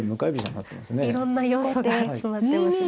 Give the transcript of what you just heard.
いろんな要素が詰まってますね。